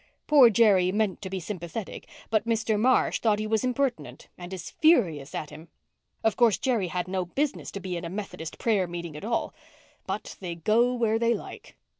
Poor Jerry meant to be sympathetic, but Mr. Marsh thought he was impertinent and is furious at him. Of course, Jerry had no business to be in a Methodist prayer meeting at all. But they go where they like."